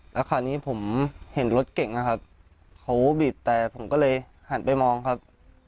แล้วคราวนี้ผมเห็นรถเก่งนะครับเขาบีบแต่ผมก็เลยหันไปมองครับ